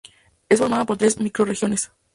Es formada por tres microrregiones.